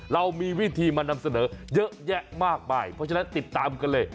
เรามีวิธีมานำเสนอเยอะแยะมากมายเพราะฉะนั้นติดตามกันเลย